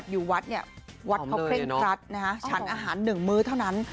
อยู่วัดเนี่ยวัดเขาเคร่งครัดนะฮะฉันอาหารหนึ่งมื้อเท่านั้น